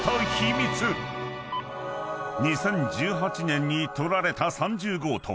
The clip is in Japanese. ［２０１８年に撮られた３０号棟］